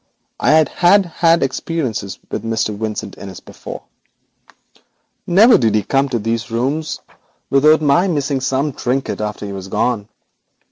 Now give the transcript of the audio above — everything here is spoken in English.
I had had experiences with Mr. Vincent Innis before. Never did he enter these rooms of mine without my missing some little trinket after he was gone.